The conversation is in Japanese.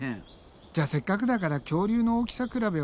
じゃあせっかくだから恐竜の大きさ比べをもっとしていこうか。